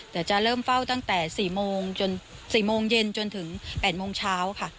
แต่จะเริ่มเฝ้าตั้งแต่๔โมงจน๔โมงเย็นจนถึง๘โมงเช้าค่ะ